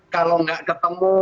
kalau nggak ketemu